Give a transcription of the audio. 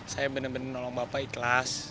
saya bener bener nolong bapak ikhlas